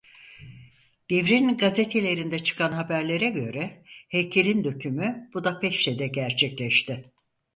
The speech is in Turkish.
Devrin gazetelerinde çıkan haberlere göre heykelin dökümü Budapeşte'de gerçekleşti.